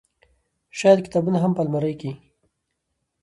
شايد کتابونه هم په المارۍ کې